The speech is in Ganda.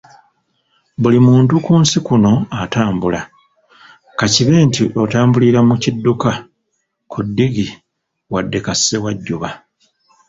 Buli muntu ku nsi kuno atambula, ka kibe nti otambulira mu kidduka, ku ddigi, wadde ka ssewajjuba.